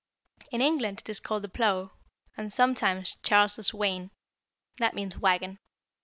In England it is called the 'Plow' and sometimes 'Charles's Wain.' That means wagon.